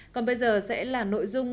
còn bây giờ sẽ là nội dung